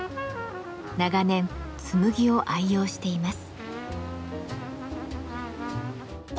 長年紬を愛用しています。